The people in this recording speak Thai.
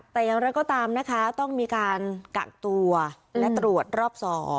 แต่อย่างไรก็ตามนะคะต้องมีการกักตัวและตรวจรอบ๒